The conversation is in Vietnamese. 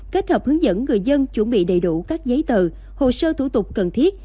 kết hợp hướng dẫn người dân chuẩn bị đầy đủ các giấy tờ hồ sơ thủ tục cần thiết